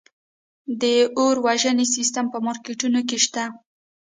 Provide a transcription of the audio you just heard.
د اور وژنې سیستم په مارکیټونو کې شته؟